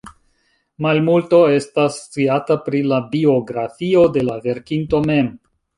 Malmulto estas sciata pri la biografio de la verkinto mem.